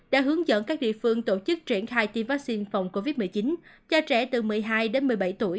đã hướng dẫn các địa phương tổ chức triển khai tiêm vaccine phòng covid một mươi chín cho trẻ từ một mươi hai đến một mươi bảy tuổi